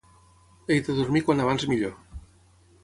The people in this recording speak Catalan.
He de dormir quan abans millor